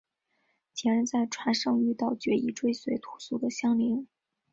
几人在船上遇到决意追随屠苏的襄铃。